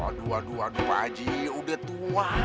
aduh aduh aduh pak haji udah tua